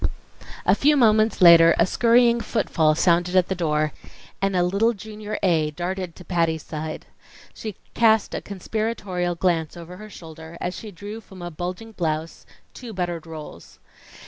A few moments later a scurrying footfall sounded at the door, and a little Junior A. darted to Patty's side. She cast a conspiratorial glance over her shoulder as she drew from a bulging blouse two buttered rolls.